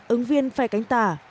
ứng viên phe cánh tả